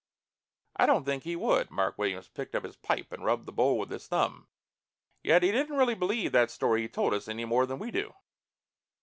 "I don't think he would." Mark Williams picked up his pipe and rubbed the bowl with his thumb. "Yet he didn't really believe that story he told us any more than we do."